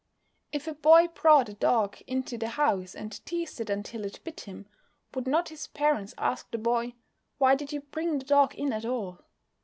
_ If a boy brought a dog into the house and teased it until it bit him, would not his parents ask the boy, "Why did you bring the dog in at all?"